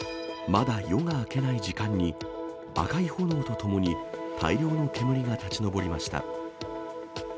まだ夜が明けない時間に、赤い炎とともに大量の煙が立ち上りました。